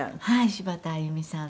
柴田あゆみさん。